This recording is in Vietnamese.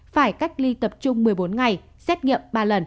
phải cách ly tập trung một mươi bốn ngày xét nghiệm